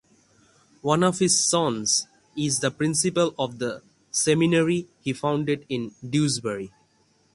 One of his sons is the principal of the seminary he founded in Dewsbury.